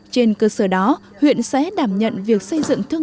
trên cơ sở đó huyện sẽ đảm bảo